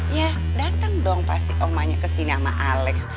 ya datang dong pasti omanya kesini sama alex